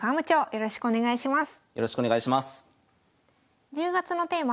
よろしくお願いします。